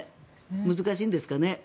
難しいんですかね。